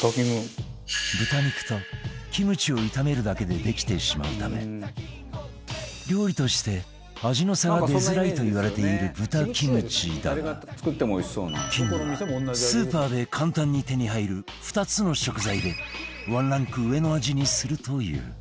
豚肉とキムチを炒めるだけでできてしまうため料理として味の差が出づらいと言われている豚キムチだがキングはスーパーで簡単に手に入る２つの食材でワンランク上の味にするという